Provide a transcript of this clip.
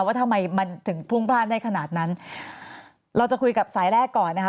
ว่าทำไมมันถึงพรุ่งพลาดได้ขนาดนั้นเราจะคุยกับสายแรกก่อนนะคะ